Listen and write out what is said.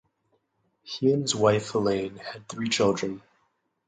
He and his wife Elaine had three children.